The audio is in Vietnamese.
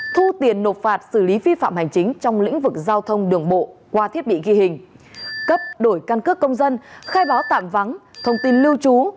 thu tiền nộp phạt xử lý vi phạm hành chính trong lĩnh vực giao thông đường bộ qua thiết bị ghi hình cấp đổi căn cước công dân khai báo tạm vắng thông tin lưu trú